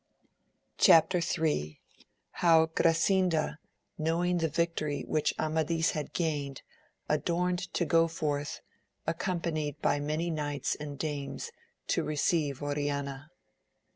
Chap. III. — How Grasinda knowing the victory which Amadis had gained, adorned to go forth, accompanied hj many Knights and Dames to receive Oriana.